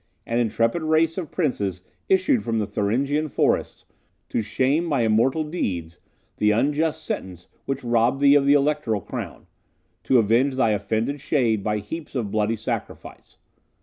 An intrepid race of princes issues from the Thuringian forests, to shame, by immortal deeds, the unjust sentence which robbed thee of the electoral crown to avenge thy offended shade by heaps of bloody sacrifice.